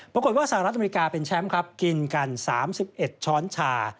สหรัฐอเมริกาเป็นแชมป์ครับกินกัน๓๑ช้อนชา